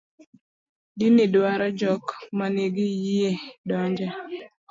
din ni dwaro jok manigi yie donje